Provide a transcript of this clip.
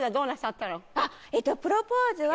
あっえっとプロポーズは。